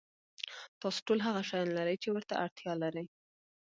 تاسو ټول هغه شیان لرئ چې ورته اړتیا لرئ.